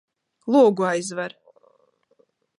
Logu aizver!